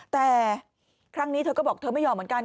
แต่ครั้งนี้เธอก็บอกเธอไม่ยอมเหมือนกัน